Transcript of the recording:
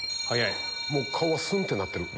もう顔はスンってなってる。